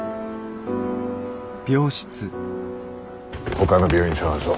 ほかの病院探そう。